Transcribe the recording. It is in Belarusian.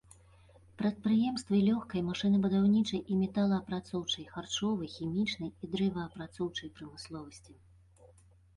Прадпрыемствы лёгкай, машынабудаўнічай і металаапрацоўчай, харчовай, хімічнай і дрэваапрацоўчай прамысловасці.